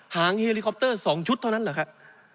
หางเฮลิคอปเตอร์๒ชุดเท่านั้นเหรอครับ